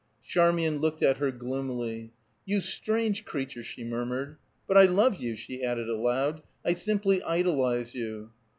Charmian looked at her gloomily. "You strange creature!" she murmured. "But I love you," she added aloud. "I simply idolize you!"